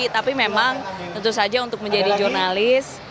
tapi memang tentu saja untuk menjadi jurnalis